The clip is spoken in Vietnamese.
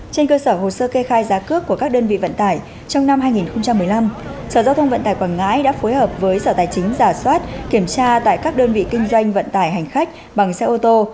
trên cơ sở hồ sơ kê khai giá cước của các đơn vị vận tải trong năm hai nghìn một mươi năm sở giao thông vận tải quảng ngãi đã phối hợp với sở tài chính giả soát kiểm tra tại các đơn vị kinh doanh vận tải hành khách bằng xe ô tô